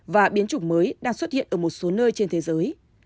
và biến chủng mới đang xuất hiện ở một số nơi trên thế giới